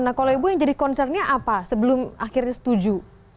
nah kalau ibu yang jadi concernnya apa sebelum akhirnya setuju